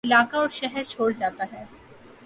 علاقہ اور شہرچھوڑ جاتا ہے